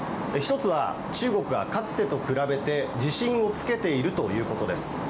１つは中国は、かつてと比べて自信をつけているということです。